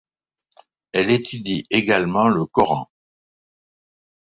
Elle étudie également le Coran.